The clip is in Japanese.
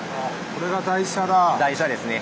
台車ですね。